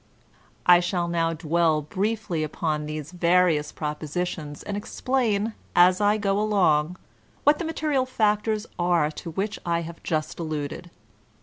I shall now dwell briefly upon these various proposi tions, and explain, as I go along, what the material fac tors are to which I have just alluded.